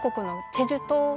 チェジュ島